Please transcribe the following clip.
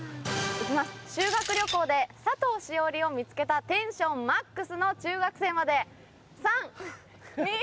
修学旅行で佐藤栞里を見つけたテンションＭＡＸの中学生まで３・２・１。